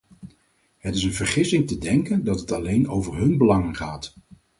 Het is een vergissing te denken dat het alleen over hun belangen gaat.